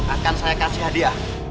akan saya kasih hadiah